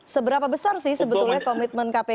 seberapa besar sih sebetulnya komitmen kpk